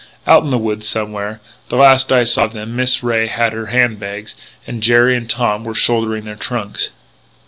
"Out in the woods, somewhere. The last I saw of them, Mrs. Ray had their hand bags and Jerry and Tom were shouldering their trunks."